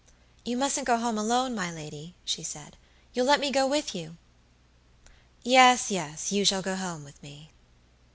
"You mustn't go home alone, my lady," she said. "You'll let me go with you?" "Yes, yes; you shall go home with me."